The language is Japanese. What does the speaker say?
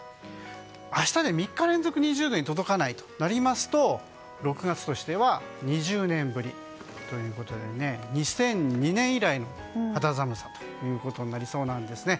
明日、３日連続、２０度に届かないことになりますと６月としては２０年ぶりということで２００２年以来の肌寒さとなりそうなんですね。